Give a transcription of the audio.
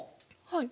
はい。